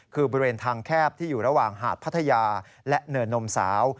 คือบริเวณทางแคบที่อยู่ระหว่างหาดพัทยาและเนินนมสาว